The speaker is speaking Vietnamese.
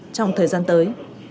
trong thời gian tới